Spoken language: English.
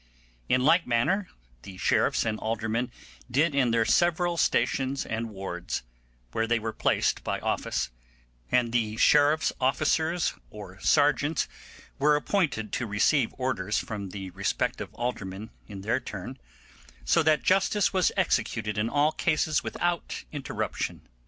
In like manner the sheriffs and aldermen did in their several stations and wards, where they were placed by office, and the sheriff's officers or sergeants were appointed to receive orders from the respective aldermen in their turn, so that justice was executed in all cases without interruption.